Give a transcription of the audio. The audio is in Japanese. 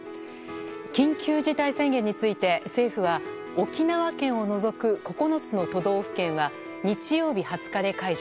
緊急事態宣言について、政府は沖縄県を除く９つの都道府県は日曜日２０日で解除。